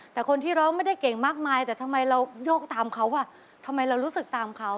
แต่คนที่ร้องไม่ได้เก่งมากมายแต่ทำไมเราโยกตามเขาอ่ะทำไมเรารู้สึกตามเขา